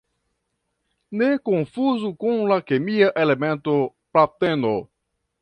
Ne konfuzu kun la kemia elemento plateno.